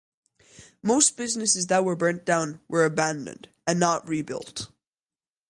Most businesses that burnt down were abandoned, and not rebuilt.